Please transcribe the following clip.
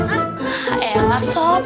ah enggak sob